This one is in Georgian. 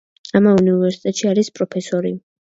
ამავე უნივერსიტეტში არის პროფესორი.